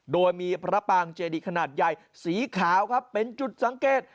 โดยมีพระปางเจดีขนาดใหญ่สีขาวครับเป็นจุดสังเกต